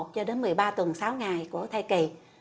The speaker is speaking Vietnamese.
cho đến một mươi ba tuần sáu ngày của thai kỳ